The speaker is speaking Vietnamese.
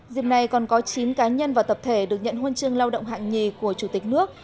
dịp này còn có chín cá nhân và tập thể được nhận huân chương lao động hạng nhì của chủ tịch nước